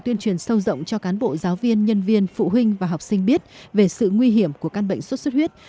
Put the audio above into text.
tuyên truyền sâu rộng cho cán bộ giáo viên nhân viên phụ huynh và học sinh biết về sự nguy hiểm của các bệnh suốt suốt huyết